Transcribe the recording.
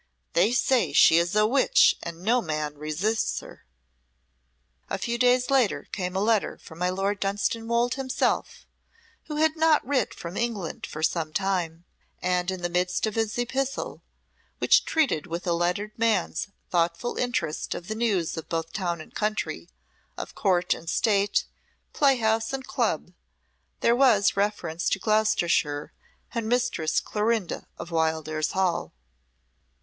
they say, she is a witch and no man resists her." A few days later came a letter from my Lord Dunstanwolde himself, who had not writ from England for some time, and in the midst of his epistle, which treated with a lettered man's thoughtful interest of the news of both town and country, of Court and State, playhouse and club, there was reference to Gloucestershire and Mistress Clorinda of Wildairs Hall.